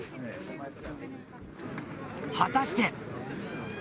果たして。